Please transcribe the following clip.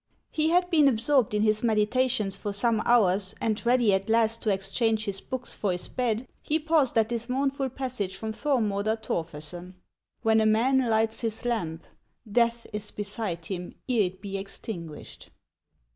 He had been absorbed iu his meditations for some hours, and, ready at last to exchange his books for his bed, he paused at this mournful passage from Thormodr Torfesen :" When a man lights his lamp, death is beside him ere it be extinguished."